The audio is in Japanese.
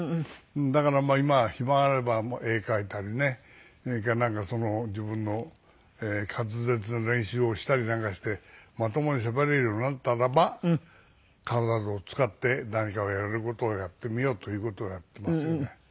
だから今暇あれば絵描いたりねそれから自分の滑舌の練習をしたりなんかしてまともにしゃべれるようになったらば体を使って何かをやれる事をやってみようという事をやっていますよね。